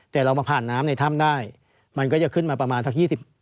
แต่เรามาผ่านน้ำในถ้ำได้มันก็จะขึ้นมาประมาณสัก๒๐